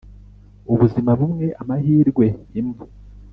ubuzima bumwe, amahirwe imwe.